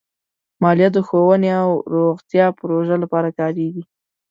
مالیه د ښوونې او روغتیا پروژو لپاره کارېږي.